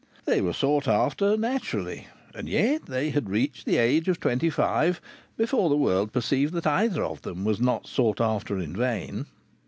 They were sought after, naturally. And yet they had reached the age of twenty five before the world perceived that either of them was not sought after in vain.